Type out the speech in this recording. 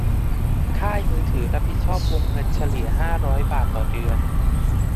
ค่ายมือถือรับผิดชอบวงเงินเฉลี่ยห้าร้อยบาทต่อเดือน